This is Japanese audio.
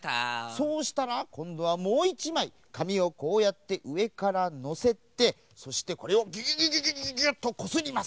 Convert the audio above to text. そうしたらこんどはもう１まいかみをこうやってうえからのせてそしてこれをギュギュギュギュギュギュギュッとこすります。